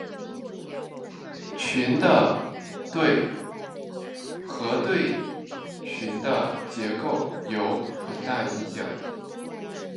群的对合对群的结构有很大影响。